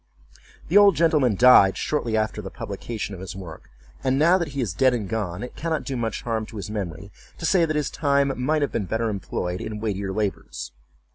The old gentleman died shortly after the publication of his work, and now that he is dead and gone, it cannot do much harm to his memory to say that his time might have been better employed in weightier labors.